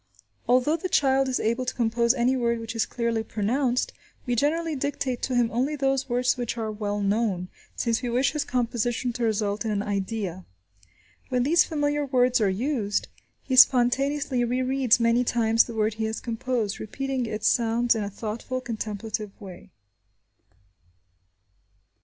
Although the child is able to compose any word which is clearly pronounced, we generally dictate to him only those words which are well known, since we wish his composition to result in an idea. When these familiar words are used, he spontaneously rereads many times the word he has composed, repeating its sounds in a thoughtful, contemplative way.